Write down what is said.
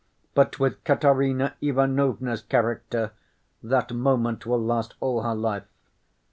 But with Katerina Ivanovna's character, that moment will last all her life.